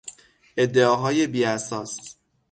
ادعاهای بیاساس